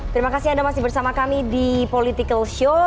terima kasih anda masih bersama kami di political show